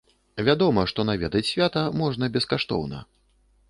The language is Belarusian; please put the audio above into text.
Вядома, што наведаць свята можна бескаштоўна.